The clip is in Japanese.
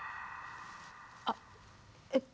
あっえっ